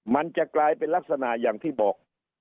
มันจะกลายเป็นลักษณะอย่างที่บอก